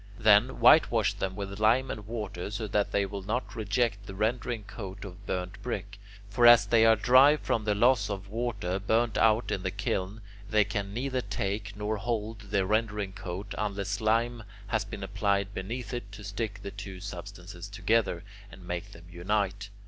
Then, whitewash them with lime and water so that they will not reject the rendering coat of burnt brick. For, as they are dry from the loss of water burnt out in the kiln, they can neither take nor hold the rendering coat unless lime has been applied beneath it to stick the two substances together, and make them unite.